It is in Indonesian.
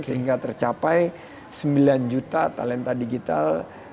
sehingga tercapai sembilan juta talenta digital